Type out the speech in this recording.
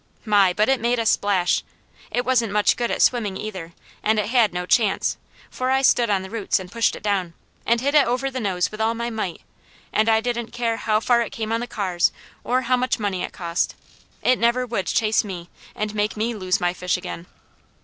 My, but it made a splash! It wasn't much good at swimming either, and it had no chance, for I stood on the roots and pushed it down, and hit it over the nose with all my might, and I didn't care how far it came on the cars, or how much money it cost, it never would chase me, and make me lose my fish again.